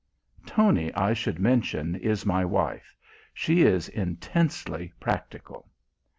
Tony, I should mention, is my wife. She is intensely practical.